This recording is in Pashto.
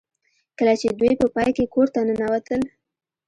کله چې دوی په پای کې کور ته ننوتل